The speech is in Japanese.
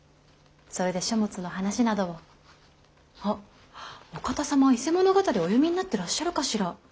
それで書物の話などをあっお方様「伊勢物語」はお読みになってらっしゃるかしら？